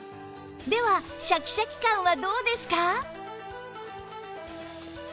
ではシャキシャキ感はどうですか？